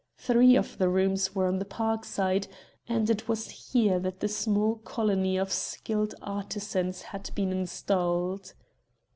Three of the rooms were on the Park side, and it was here that the small colony of skilled artisans had been installed.